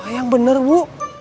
yang bener bu